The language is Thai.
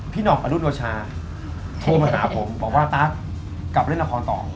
หน่องอนุชาโทรมาหาผมบอกว่าตั๊กกลับเล่นละครต่อ